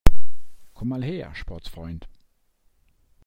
Komm mal her, Sportsfreund!